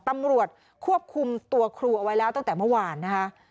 ตำรวจควบคุมตัวครูเอาไว้แล้วตั้งแต่เมื่อวานนะคะ